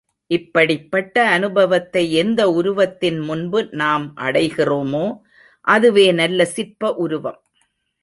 இப்படிப்பட்ட அனுபவத்தை எந்த உருவத்தின் முன்பு நாம் அடைகிறோமோ, அதுவே நல்ல சிற்ப உருவம்.